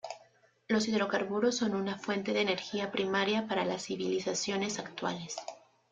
Los hidrocarburos son una fuente de energía primaria para las civilizaciones actuales.